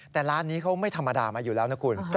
แต่ร้านนี้เขาไม่ธรรมดามาอยู่แล้วนะคุณ